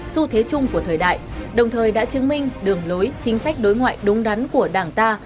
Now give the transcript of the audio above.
xu thế chung của thời đại đồng thời đã chứng minh đường lối chính sách đối ngoại đúng đắn của đảng ta